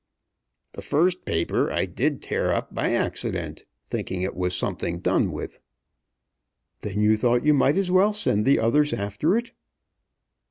"The first paper I did tear up by accident, thinking it was something done with." "Then you thought you might as well send the others after it."